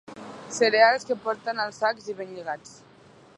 Cereals que porten els sacs i ben lligats.